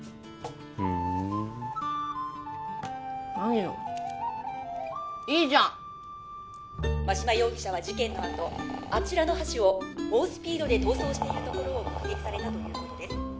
ふーん何よいいじゃんッ真島容疑者は事件のあとあちらの橋を猛スピードで逃走しているのを目撃されたということです